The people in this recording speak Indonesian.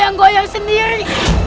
saya juga jauh agradeasi